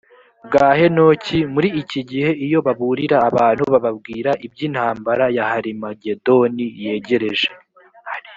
bwa henoki muri iki gihe iyo baburira abantu bababwira iby intambara ya harimagedoni yegereje